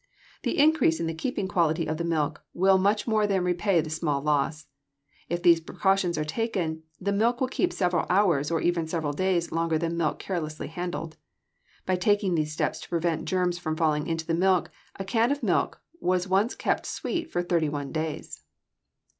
The increase in the keeping quality of the milk will much more than repay the small loss. If these precautions are taken, the milk will keep several hours or even several days longer than milk carelessly handled. By taking these steps to prevent germs from falling into the milk, a can of milk was once kept sweet for thirty one days.